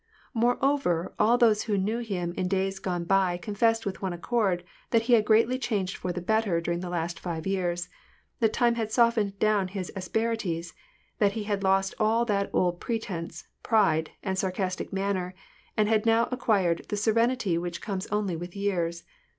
Moreover, all those who knew him in days gone by confessed with one accord that he had greatly changed for the better during the last five years, that time had softened down his asperities, that he had lost all that old pretence, pride, and sarcastic manner, and hatl now ac quired the serenity which comes only with yetars.